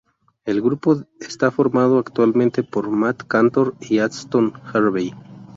El grupo está conformado actualmente por Matt Cantor y Aston Harvey.